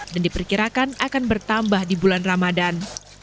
dan diperkirakan akan bertambah di bulan ramadan